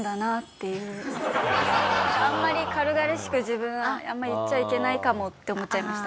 あんまり軽々しく自分あんまり言っちゃいけないかもって思っちゃいました。